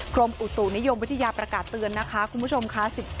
กรมอุตุนิยมวิทยาประกาศเตือนนะคะคุณผู้ชมค่ะ